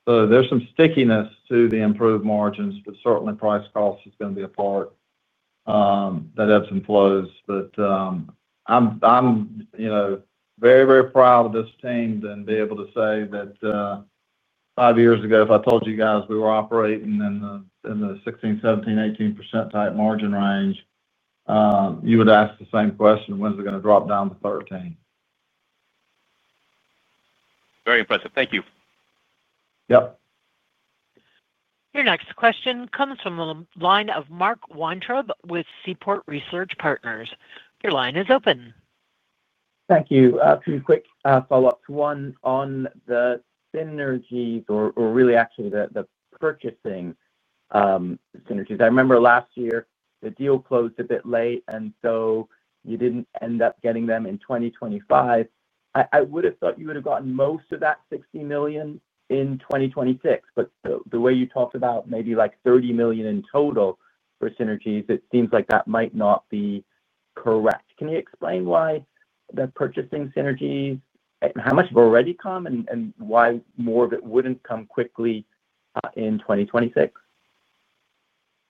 There's some stickiness to the improved margins, but certainly, price cost is going to be a part that ebbs and flows. I'm very, very proud of this team to be able to say that five years ago, if I told you guys we were operating in the 16%, 17%, 18% type margin range, you would ask the same question, when is it going to drop down to 13%? Very impressive. Thank you. Yep. Your next question comes from the line of Mark Weintraub with Seaport Research Partners. Your line is open. Thank you. A few quick follow-ups. One on the synergies or really actually the purchasing synergies. I remember last year, the deal closed a bit late, and you didn't end up getting them in 2025. I would have thought you would have gotten most of that $60 million in 2026. The way you talked about maybe like $30 million in total for synergies, it seems like that might not be correct. Can you explain why the purchasing synergies and how much have already come and why more of it wouldn't come quickly in 2026?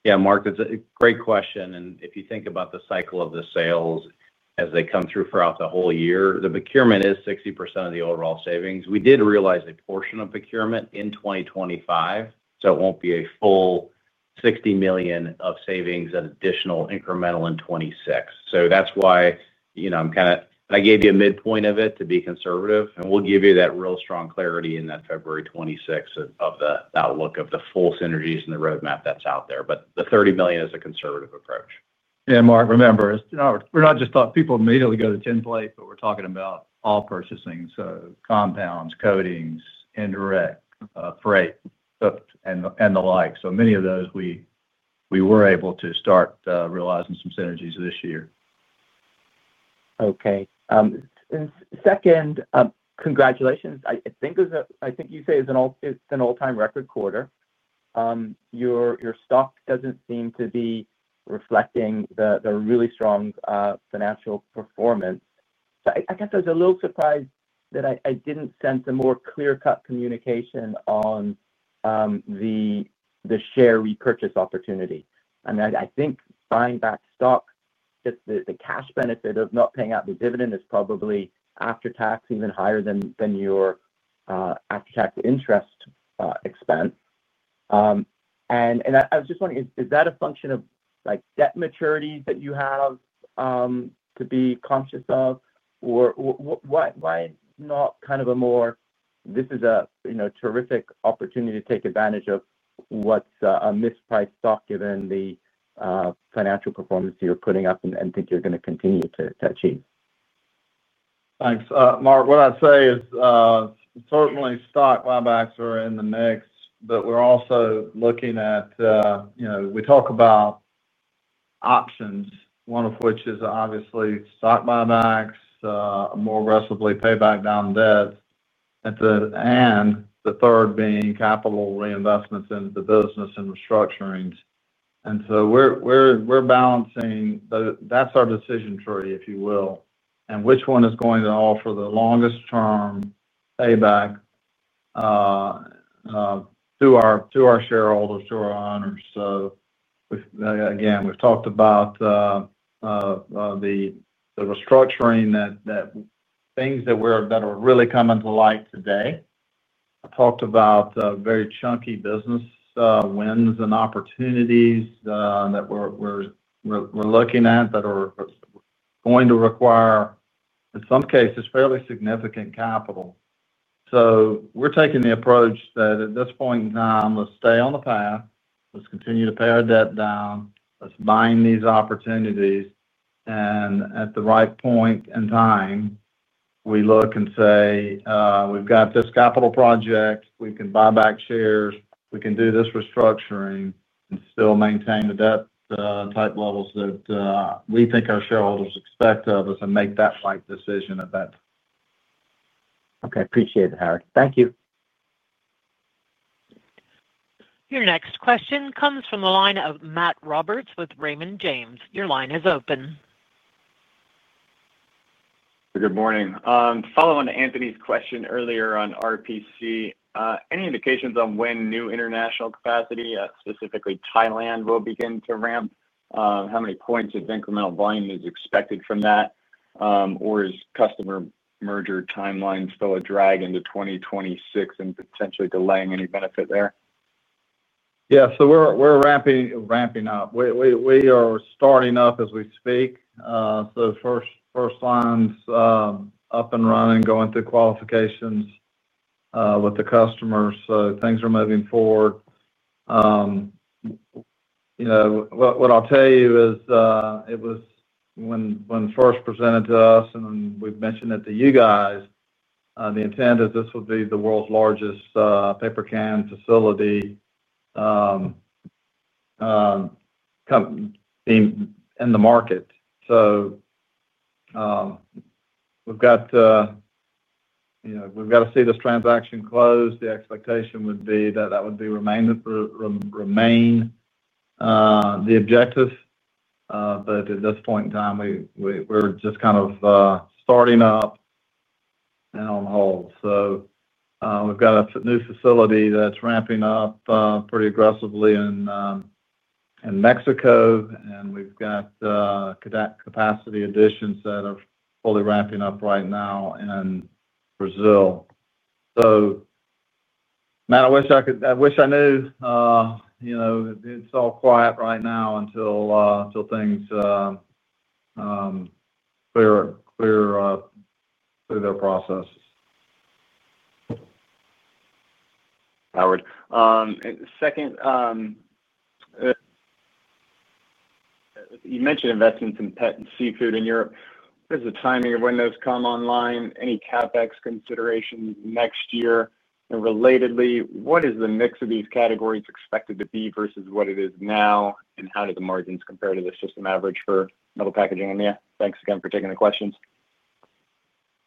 Yeah, Mark, it's a great question. If you think about the cycle of the sales as they come through throughout the whole year, the procurement is 60% of the overall savings. We did realize a portion of procurement in 2025. It won't be a full $60 million of savings and additional incremental in 2026. That's why I gave you a midpoint of it to be conservative, and we'll give you that real strong clarity in that February 26 of the outlook of the full synergies and the roadmap that's out there. The $30 million is a conservative approach. Mark, remember, we're not just talking about people. Immediately, people go to template, but we're talking about all purchasing: compounds, coatings, indirect, freight, and the like. Many of those we were able to start realizing some synergies this year. Okay. Second, congratulations. I think it was a, I think you say it's an all-time record quarter. Your stock doesn't seem to be reflecting the really strong financial performance. I guess I was a little surprised that I didn't sense a more clear-cut communication on the share repurchase opportunity. I mean, I think buying back stock, just the cash benefit of not paying out the dividend is probably after-tax even higher than your after-tax interest expense. I was just wondering, is that a function of debt maturities that you have to be conscious of? Why is it not kind of a more, this is a terrific opportunity to take advantage of what's a mispriced stock given the financial performance that you're putting up and think you're going to continue to achieve? Thanks. Mark, what I'd say is certainly stock buybacks are in the mix, but we're also looking at, you know, we talk about options, one of which is obviously stock buybacks, a more aggressively payback down debt, and the third being capital reinvestments into the business and restructurings. We're balancing that's our decision tree, if you will, and which one is going to offer the longest-term payback to our shareholders, to our owners. We've talked about the restructuring that things that are really coming to light today. I talked about very chunky business wins and opportunities that we're looking at that are going to require, in some cases, fairly significant capital. We're taking the approach that at this point in time, let's stay on the path. Let's continue to pay our debt down. Let's bind these opportunities. At the right point in time, we look and say, we've got this capital project. We can buy back shares. We can do this restructuring and still maintain the debt type levels that we think our shareholders expect of us and make that right decision at that time. Okay. Appreciate it, Howard. Thank you. Your next question comes from the line of Matt Roberts with Raymond James. Your line is open. Good morning. Following Anthony's question earlier on RPC, any indications on when new international capacity, specifically Thailand, will begin to ramp? How many points of incremental volume is expected from that? Is customer merger timeline still a drag into 2026 and potentially delaying any benefit there? Yeah. We're ramping up. We are starting up as we speak. First lines are up and running, going through qualifications with the customers. Things are moving forward. What I'll tell you is it was, when first presented to us and we mentioned it to you guys, the intent is this would be the world's largest paper can facility in the market. We've got to see this transaction close. The expectation would be that that would remain the objective. At this point in time, we're just kind of starting up and on hold. We've got a new facility that's ramping up pretty aggressively in Mexico, and we've got capacity additions that are fully ramping up right now in Brazil. Matt, I wish I could, I wish I knew. It's all quiet right now until things clear their processes. Howard, second, you mentioned investing in some pet seafood in Europe. What's the timing of when those come online? Any CapEx considerations next year? Relatedly, what is the mix of these categories expected to be versus what it is now, and how do the margins compare to the system average for metal packaging in the year? Thanks again for taking the questions.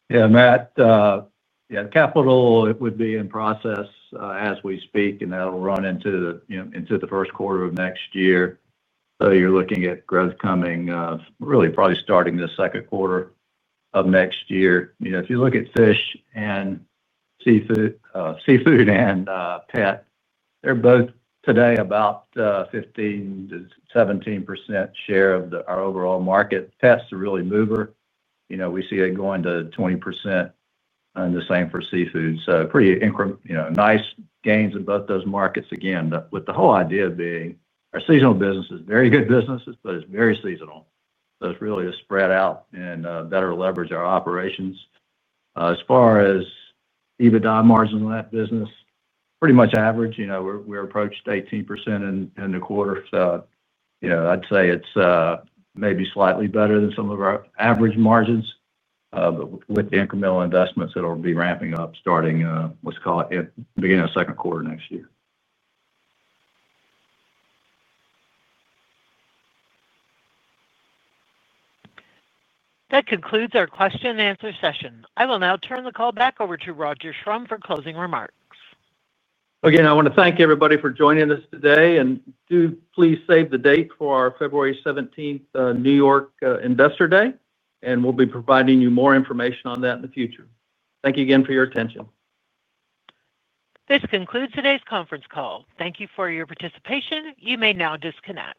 Yeah, Matt. The capital would be in process as we speak, and that'll run into the first quarter of next year. You're looking at growth coming, really probably starting the second quarter of next year. If you look at fish and seafood and pet, they're both today about 15% to 17% share of our overall market. Pets are really a mover. We see it going to 20% and the same for seafood. Pretty nice gains in both those markets. Again, the whole idea being our seasonal business is very good businesses, but it's very seasonal. It's really to spread out and better leverage our operations. As far as EBITDA margin in that business, pretty much average. We approached 18% in the quarter. I'd say it's maybe slightly better than some of our average margins, but with the incremental investments that will be ramping up starting at the beginning of the second quarter next year. That concludes our question and answer session. I will now turn the call back over to Roger Schrum for closing remarks. Again, I want to thank everybody for joining us today, and please save the date for our February 17, New York Investor Day. We'll be providing you more information on that in the future. Thank you again for your attention. This concludes today's conference call. Thank you for your participation. You may now disconnect.